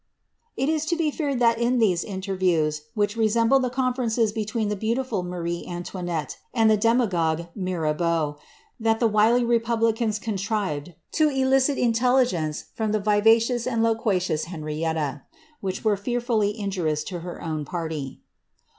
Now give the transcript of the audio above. It is to be femd tnat in these inters views, which resemble tlie conferences between the beautifnl Marie Antoinette and the demagogue Mirabeau, that the wily republicans con trived to elicit intelligence from the vivacious and loquacious Henriettt, which were fearfully injurious to her own party.